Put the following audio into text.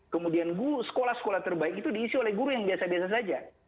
kemudian sekolah sekolah terbaik itu diisi oleh guru yang biasa biasa saja